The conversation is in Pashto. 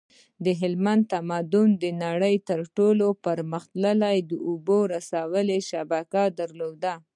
د هلمند تمدن د نړۍ تر ټولو پرمختللی د اوبو رسولو شبکه درلوده